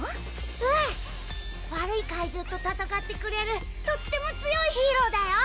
うん悪い怪獣と戦ってくれるとっても強いヒーローだよ！